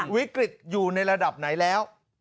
วิกฤตอยู่ในระดับไหนแล้ว